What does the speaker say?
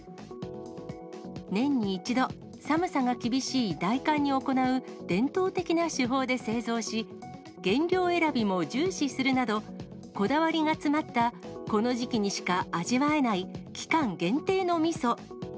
年に一度、寒さが厳しい大寒に行う伝統的な手法で製造し、原料選びも重視するなど、こだわりが詰まった、この時期にしか味わえない、期間限定のみそ。